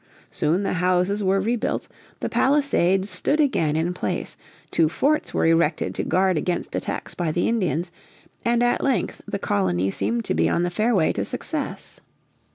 Soon the houses were rebuilt, the palisades stood again in place, two forts were erected to guard against attacks by the Indians, and at length the colony seemed to be on the fair way to success.